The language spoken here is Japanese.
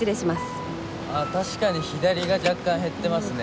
確かに左が若干減ってますね。